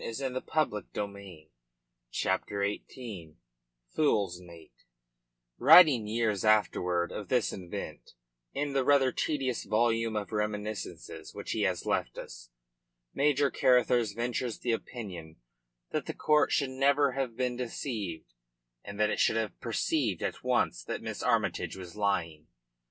"Myself. Captain Tremayne was with me." CHAPTER XVIII FOOL'S MATE Writing years afterwards of this event in the rather tedious volume of reminiscences which he has left us Major Carruthers ventures the opinion that the court should never have been deceived; that it should have perceived at once that Miss Armytage was lying.